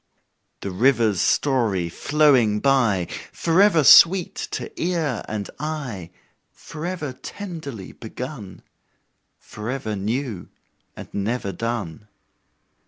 The river's story flowing by, Forever sweet to ear and eye, Forever tenderly begun Forever new and never done.